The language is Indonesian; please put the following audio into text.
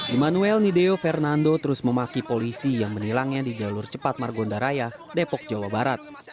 immanuel nideo fernando terus memaki polisi yang menilangnya di jalur cepat margonda raya depok jawa barat